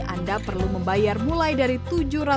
anda perlu membayar mulai dari tujuh ratus lima belas rupiah per malam